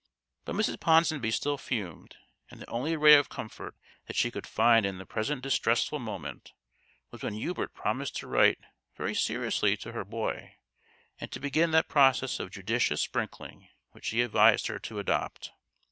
But Mrs. Ponsonby still fumed, and the only ray of comfort that she could find in the present distressful moment was when Hubert promised to write very seriously to her boy, and to begin that process of judicious sprinkling which he advised her to adopt.